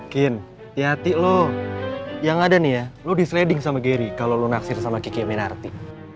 kin hati hati lo yang ada nih ya lu di sleding sama gary kalau lu naksir sama kiki amin arti